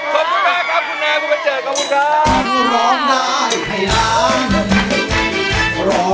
ขอบคุณมากครับคุณแนนคุณมันเจิดขอบคุณครับ